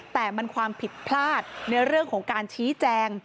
แต่มันความผิดพลาดในเรื่องของการชี้แจง